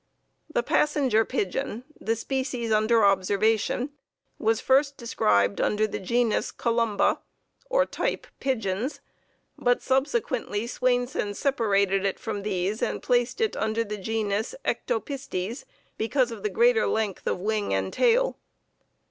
The Passenger Pigeon, the species under observation, was first described under the genus Columba, or type pigeons, but subsequently Swainson separated it from these and placed it under the genus Ectopistes because of the greater length of wing and tail.